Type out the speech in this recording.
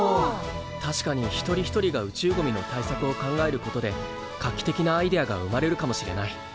確かに一人一人が宇宙ゴミの対策を考えることで画期的なアイデアが生まれるかもしれない。